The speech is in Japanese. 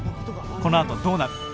このあとどうなる？